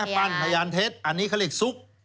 ปั้นพยานเท็จอันนี้เขาเรียกซุก